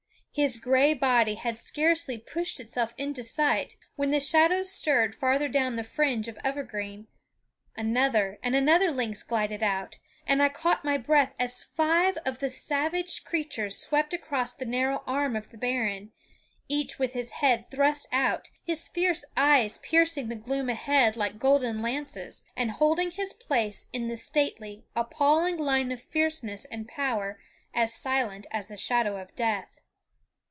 His big gray body had scarcely pushed itself into sight when the shadows stirred farther down the fringe of evergreen; another and another lynx glided out; and I caught my breath as five of the savage creatures swept across the narrow arm of the barren, each with his head thrust out, his fierce eyes piercing the gloom ahead like golden lances, and holding his place in the stately, appalling line of fierceness and power as silent as the shadow of death.